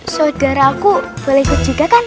saudara aku boleh ikut juga kan